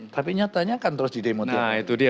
tapi nyatanya kan terus di demo nah itu dia